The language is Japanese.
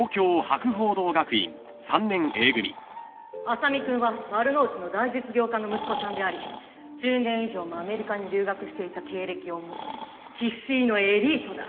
麻実君は丸の内の大実業家の息子さんであり１０年以上もアメリカに留学していた経歴を持つ生粋のエリートだ。